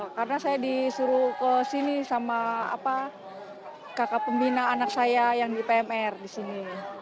karena saya disuruh kesini sama kakak pembina anak saya yang di pmr di sini